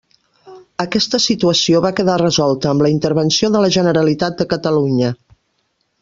Aquesta situació va quedar resolta amb la intervenció de la Generalitat de Catalunya.